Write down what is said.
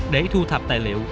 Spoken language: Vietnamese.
để thu thập tài liệu